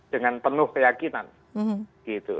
dengan penuh keyakinan gitu